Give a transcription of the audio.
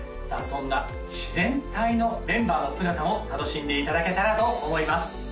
そんな自然体のメンバーの姿を楽しんでいただけたらと思います